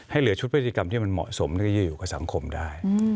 ให้เหลือชุดพฤติกรรมที่มันเผาหมดค่อยอยู่กับสังคมได้